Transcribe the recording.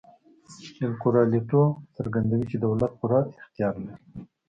اېل کورالیټو څرګندوي چې دولت پوره اختیار لري.